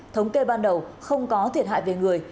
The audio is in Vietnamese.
thống kê ban đầu không có thiệt hại về người